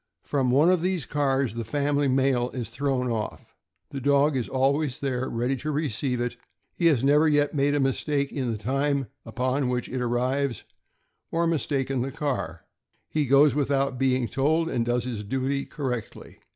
From one of these cars the family mail is thrown off. The dog is always there ready to receive it; he never has yet made a mistake in the time upon which it will arrive, or mis taken the car; he goes without being told, and does his duty correctly.